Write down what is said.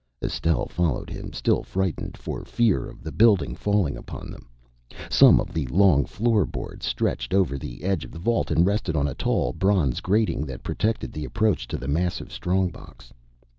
Estelle followed him, still frightened for fear of the building falling upon them. Some of the long floor boards stretched over the edge of the vault and rested on a tall, bronze grating that protected the approach to the massive strong box.